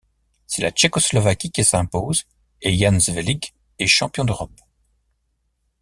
C’est la Tchécoslovaquie qui s’impose et Ján Švehlík est champion d’Europe.